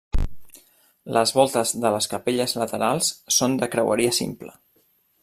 Les voltes de les capelles laterals són de creueria simple.